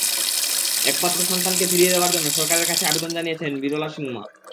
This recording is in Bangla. একমাত্র সন্তানকে ফিরিয়ে দেওয়ার জন্য সরকারের কাছে আবেদন জানিয়েছেন বিরলা সাংমা।